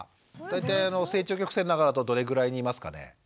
大体成長曲線の中だとどれぐらいにいますかね？